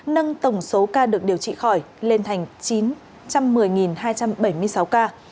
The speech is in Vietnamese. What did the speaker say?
nâng tổng số ca được điều trị khỏi lên thành chín trăm một mươi hai trăm bảy mươi sáu ca